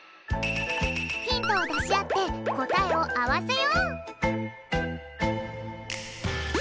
ヒントをだしあってこたえをあわせよう！